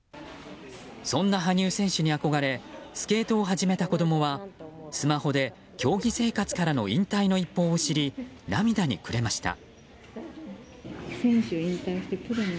そんな羽生選手に憧れスケートを始めた子供はスマホで競技生活からの引退の一報を知り涙に暮れました。